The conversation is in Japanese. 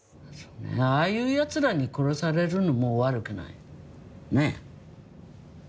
ああいう奴らに殺されるのも悪くないねえ。